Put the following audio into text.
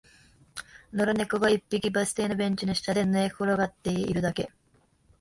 野良猫が一匹、バス停のベンチの下で寝転がっているだけ